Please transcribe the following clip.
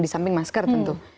di samping masker tentu